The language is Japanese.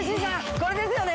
これですよね！？